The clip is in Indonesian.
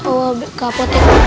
kalau ke apotek